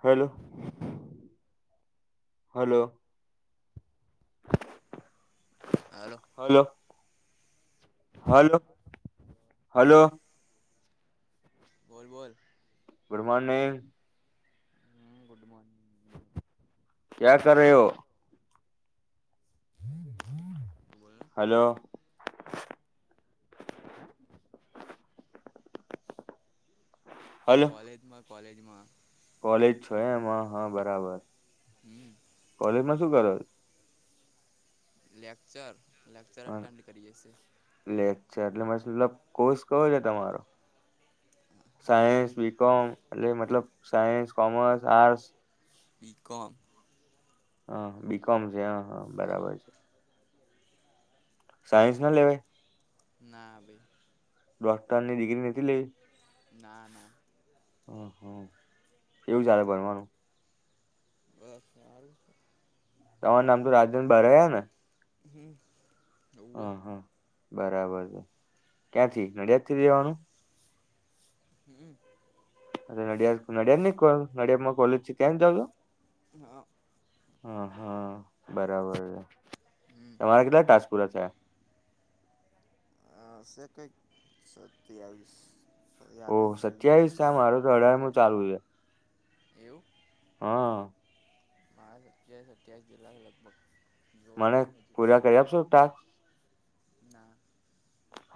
Hello hello hello hello hello hello બોલ બોલ પ્રમાણે [unintelligible] હમ ગુડ મર્નિંગ એક્યારેું હમ હા [unintelligible] હલો હે હલો કોલેજમાં કોૉલેજમાં કોલેજ છો એમ હ હા બરાબર હમ કોલેજમાં શું કરો લેક્ચર લેક્ચર અટેન્ડ કરીએે છે એટલેચ્છા એટલે મ મતલબ કોષ કવો છે તમારો સાયન્સ બીકોમ એટલે બી મતલબ સાયન્સ કોમર્સ આર્ટસ બી કોમ હ બીકોમ છે હ હા બરાબર છે સાયન્સ ના લેવે ના આવેભે ડોક્ટરની ડિગ્રી નથી લઈ ના ના હ હમ એવું ચાલે ભનવાનું બસ સારું તમાર નામ તો રાજેન બરયા ને હમ હોવે હમ હા બરાબર છે ક્યાંથી નડિયાદ થી દેવાનું હમ અ નડિયાદ નડિયાદ નહી કો નડિયાદ માં કોલ છે કેમ જઉ છ હા હ હા બરાબર છે. હમ તમારા કેટલા ટાજપુરા છે હ સ એકઈસો તયલીસ ઓહ સત્યાવીસ આ મારો તો અઢારમ અઠ્યાવીસ ચાલુ છે એવું હા મહારષ સત્યાવીસ જિલ્લાખ લગભગ જોયા મને નહીં હજુ પૂજા કરી આપશો ટાક ના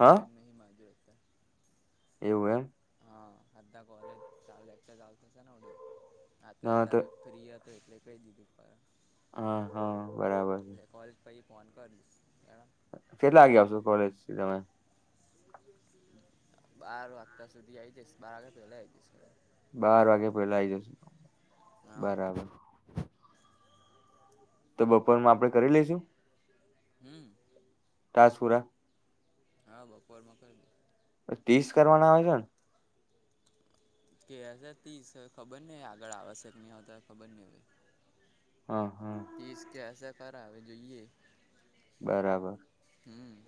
હા નહીં માજતા એવું એ હા આધા કલેજ ચાલલે એક તો ચાલ તો છે ના ઉડી આત ના તો તારીખ ફ્રી હતો એટલે કહી દીધું પ હા હા બરાબર છે. કોલેજ પી ફોન કરી દશ કે કેટલા વાગે આવશો કોલેજથી તમે બાર આતતા સુધી આવી જઈશ બાર વાગે પેલા આવીઈ જઈ બાર વાગે પેલા આઈ જશ હા બરાબર તો બપોર માં આપડે કરી લઈશું હમ તસપુરા હા બપોરમાં કર દ ત્રીસ કરવાના આવે છે ને દઈશ કે ખબર નહ આગળ આવશ્યક નહી હોતા ખબર નહ હ હા પીસ કસસા કરાવે જોઈએ બરાબર હમ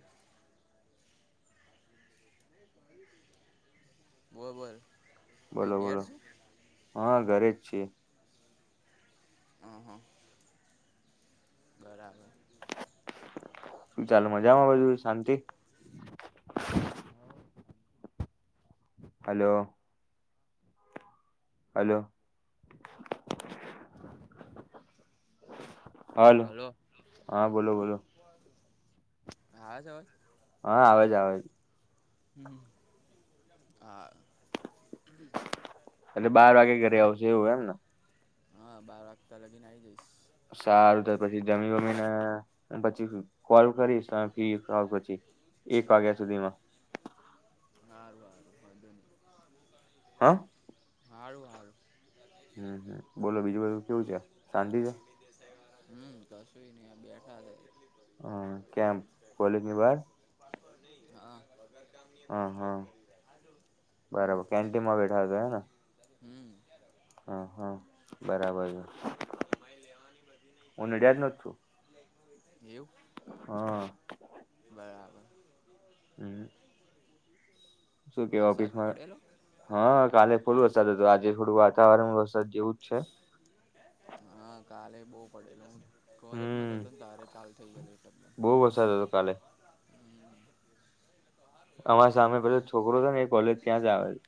બરોબર બોલો બોલો હા ઘરે જ છે હ હ બરાબર શું ચાલ મજામાં બધું શાંતિ હા હલો હલોો હલો હ છેવાજ હા આવેજ આવેજ હ આ એટલે બાર વાગે ઘરે આવજ એવું એમ ને હા બાર હપ્તા લગીને આ આવી જઈશ સારું તો પછી જમી વમીને પછી કોલ કરીશ ફી પછી એક વાગ્યા સુધીમાં હાર હાર વાંધન હાં હારું હારું હમ હ બોલો બીજું બધું કેવું છે શાંતિ છે હમ કશું નહ બેઠા હતા હ કેમ કોલેજ ની બહાર ન હા બરાબર કેન્ટીનમાં બેઠા હમ્મ હતા હેને હમ્મ હા હા બરાબર છે હું નડિયાદ નો જ છું એવું હા બરાબર હમ શું કે વરસાદ ઓફિસમાં પડેલો હા કાલે ખોલું વરસાદ હતો આજે થોડું વાતાવરણમાં વરસાદ જેવું છે હા કાલે બહુ પડેલું કોલેજમાં હમ જ હતો ને તારે ચાલ થઈ ગયલી ત બહુ વરસાદ હતો કાલે અમારા સામે પછલો છોકરો છે ને એ કોલેજ ત્યાં જ આવે છે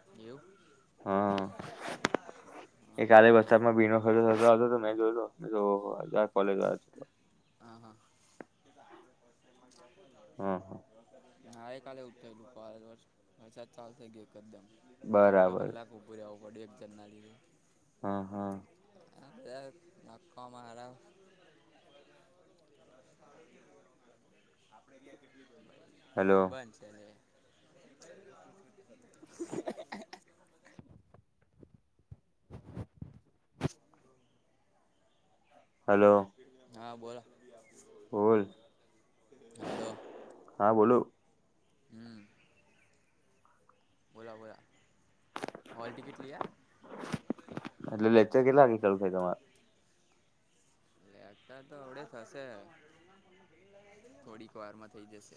એવું હા હા એ કાલે બરાબર વરસાદમાં ભીનો તો મે જોઈ કોલેજ આવ હા હા હા હા કાલે ઉઠયેલું વરસાદ ચાલશે ગે એકદમ અડધો બરાબર કલાક ઉપર રહેવું પડ્યું એક જન્નાલીએ હા હા હ નકો મારા બંધ હલો છે કે હલો હા બોલો બોલ હલોો હા બોલો હમ બોલો બોલા હલ ટિકિટ લ એટલે લેચર કેટલાાગે ખલું થ તમારે લેતા તો આવડે થશે થોડીક વારમાં થઇ જશે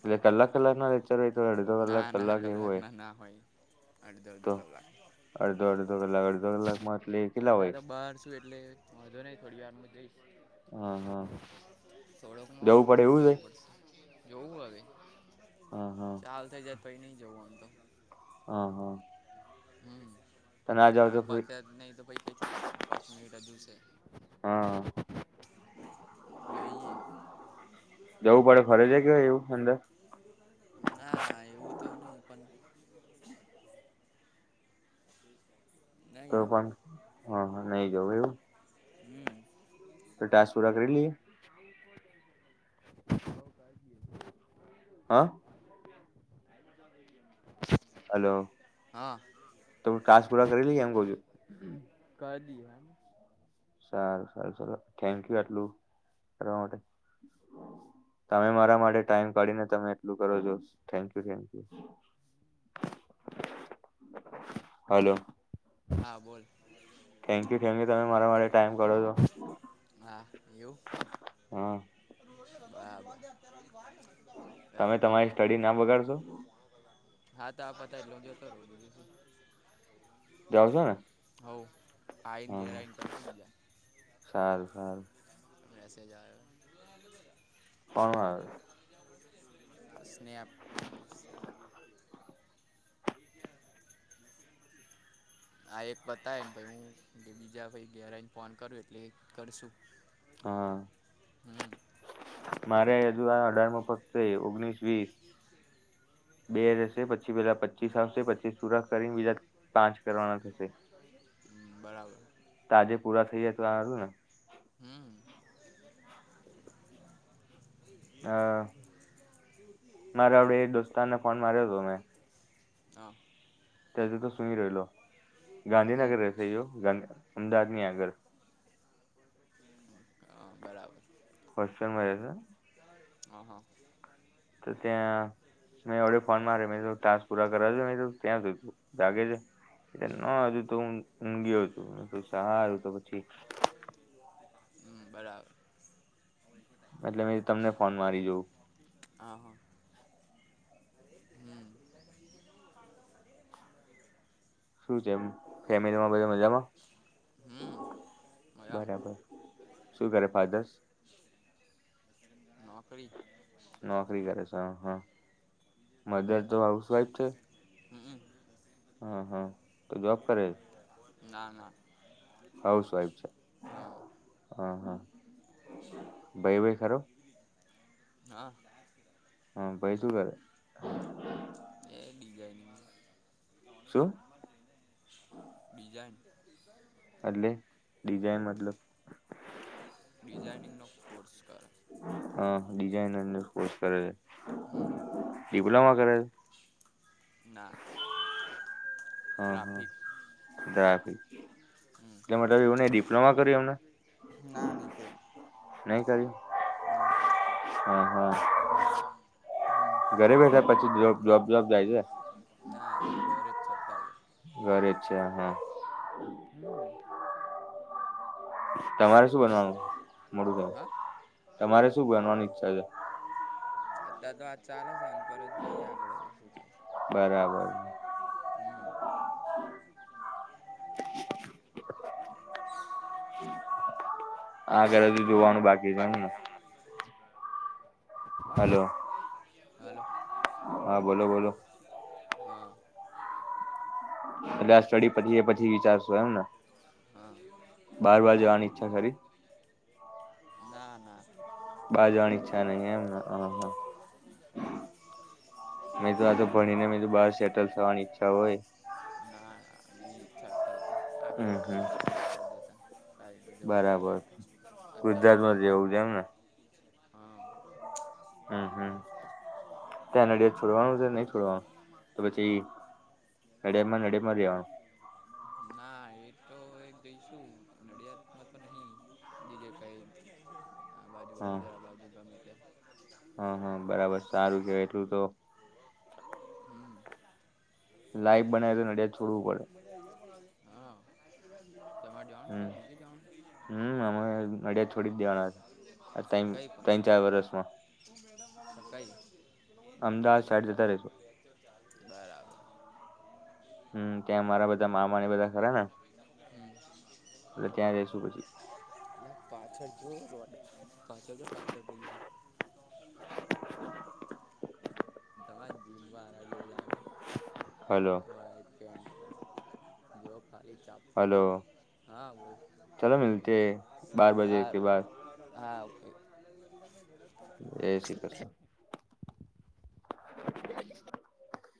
એટલે કલાક કલાક ના લેક્ચર હોય તો અડધો ના કલાક ના એવું કલાક હોય ના ના હોય અડધો અડધો તો કલાક અડધો અડધો કલાક અડધો કલાકમાં એટલે અટ કેટલા હોય તો બાર શું એટલે વાંધો નહી થોડી વાર હું જઈશ હા હા થોડોક જવું માળું પડે એવું છે જવું પડશે જોવું હવે હા ચાલ થઇ જાર પછ નઈ જવું આમ તો હ હા હમ તને આ જાવ તો આપ ફરી અત નહિ તો પાઈ કઈ થી જવાનું પાંચ મિનિટ દિવસે હા જોઈએ જવું પડે ફરજિયાત કે હોય એવું અંદર ના એવું તો નહ પણ બ હમ તો પણ હ નહી જવું એવું હમ તો ટાસ્ક પૂરા કરી લઈએ કો કજીી હા મઈમ હલો ત હ કાસ પુરા કરી લઈ એમ કઉ છું ક દએ ના સારું સારું સરારું થેન્ક યુ આટલું કરવા માટે તમે મારા માટે ટાઈમ કાઢીને તમે એટલું કરો છો thank you thank you. Hello. હા બોલ. થેન્ક યુ થેન્ક યુ તમે મારા માટે ટાઈમ કાઢો છો હા એવું હ. બરાબર. તમે તમારી સ્ટડી ના બગાડશો. ક્યાં બગાડ હા તો આ પતાઈ દો પછી જતા રો બીજું તો શું જાઓ છો ને હવ. આઈન હમ ઘેર આઈન કરશું ન બીજા. સારું સારું. મેસેજ આયો હે કોણ હા. આવે સ્નેપ. એ કયાં આ એક પતાઈને પહી ઉ એટલે બીજા ભાઈ ઘેર આઈને ફોન કરો એટલે એ કરશું. હા હમ મારે હજુ આ અઢાર મો પદ છે ઓગણીસ વીસ બે રહેશે પછી પેલા પચીસ આવશે પચીસ પૂરા કરીને બીજા પાંચ કરવાના થશે [inaudible] બરાબર! તાજે પૂરા થઈ જાય તો સારું ને હમ્મ [inaudible] અ મારે આપડે એ દોસ્તાર ને ફોન માર્યો તે મે હા. તથી તો સુઈ રલો હમ ગાંધીનગર રહેશે યો અમદાવાદ ની આગળ હા, બરાબર. કોશ્ચનમાં [unintelligible] હ હ. તો ત્યાં મેં અવડે ફોન માર્યો મેં કીધું ટાસ્ક પૂરા કરવા છે મેં કીધું તો ત્યાં સુધી જાગે છે? એ ન હજું તો હું ઊંઘયો છું સારું તો પછી હમ્મ, બરાબર. એટલે મેં તમને ફોન મારી જોઉં. અ હ. હમ્મ. શું છે એમ, ફેમિલીમાં બધા મજામાં? હમ મજામાં બરાબર, શું કરે ફાધર્સ? નોકરી નોકરી કરે છે હા હ મધર તો હાઉસવાઈફ છે હંહ હા હા તો જોબ કરે ના ના હાઉસ વાઈફ છે હા હ હા ભઈ બઈ ખરો હા. હમ ભઈ શું કરે એ ડિઝાઇનમાં શું [unintelligible] એટલે ડિઝાઇન મતલબ ડિઝાઇનિંગનો કોર્સ કરે હ ડિઝાઇનર ન કોર્સ કરે છે હમ ડિપ્લોમા કરે ના હ ગ્રાફિક હાદાી હમ એટલે મતલબ એવું ન ડિપ્લોમા કર્યું એમને ના નહીં કર્યું નહી કર્યું ના હમ હા હમ ઘરે બેઠા પછી જો ના ગર જ છેતા ઘરે જ છે હા હમ તમારે શું બનવાનું મોડું હા થાય પાંચલો તમારે શું બનવાની ઈચ્છા છે અત્યાર તો વાજ ચાલે છે અને પરત જોઈએ આગળ બરાબર શું થ [inaudible] હ આગળ હજુ જોવાનું બાકી [inaudible] છે એમને બાકીને હલો હાલો હા બોલો બોલો હા એટલે આ સ્ટડી પછી એ પછી વિચારશો એમ ને હા ઈચ્છા ખરી ના ના બાર પા જવાની ઈચ્છા નહી એમને હ મેં તો આ તો ભણીને મે બહાર સેટલ થવાની ઈચ્છા હોય ના ચા તો આગળ હમ હમ જઈશું આગળ જતા સાઈ જવું સા બરાબર અતાર જો ગુજરાતમાં નહી જ રહેવું છે એમને આવશે અસ્ હમ હમ ત્યાં નડિયાદ છોડવાનું છે નહી છોડવાનું તો પછી નડિયામાં નડિયાે માં લેવાનું ના એ તો એ જઈશું નડિયાદમાં તો નહી બીજે કઈ હા બાજુ બડ છે બાજુ હમ હમ બરાબર સારું કેવાય તો [inaudible] લાઈફ બનાવે તો નડિયાદ છોડવું પડે હા તમારે જવાનું હમ કંઈ બીજે જવાનું હમ અમે નડિયાદ છોડી જ દેવાના છે. ત ત્રણ ચાર વર્ષમાં. સરપ્રાઈઝ અમદાવાદ સાડ જ ર રહે. બરાબર હમ ત્યાં મારા બધા મામાને બધા ખરા ને હમ એટ ત્યાં જસુ પછી. એ પાછળ જો રોડ પાછળ તો પાછળ ગયા. [inaudible] [unintelligible] હલો જો ખલી ચા હલો હા બોલ હ. હા ઓ. [inaudible]